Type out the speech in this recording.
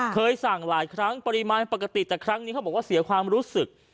เคยสั่งหลายครั้งปริมาณปกติแต่ครั้งนี้เขาบอกว่าเสียความรู้สึก